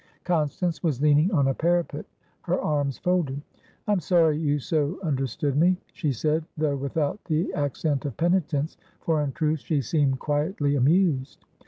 Constance was leaning on a parapet, her arms folded. "I'm sorry you so understood me," she said, though without the accent of penitence, for in truth she seemed quietly amused.